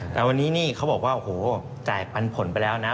วันนี้เขาบอกว่าจ่ายปันผลไปแล้วนะ